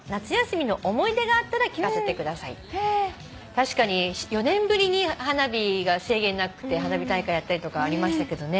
確かに４年ぶりに花火が制限なくて花火大会やったりとかありましたけどね。